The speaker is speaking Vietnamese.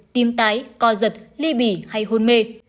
tim tái co giật ly bỉ hay hôn mê